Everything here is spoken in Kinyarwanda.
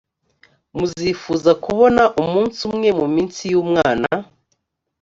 muzifuza kubona umunsi umwe mu minsi y umwana